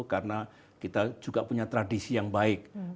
karena kita juga punya tradisi yang baik